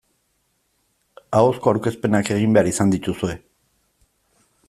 Ahozko aurkezpenak egin behar izan dituzue.